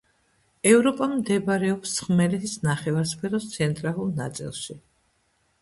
ევროპა მდებარეობს ხმელეთის ნახევარსფეროს ცენტრალურ ნაწილში.